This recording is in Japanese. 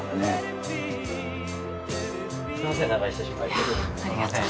すみません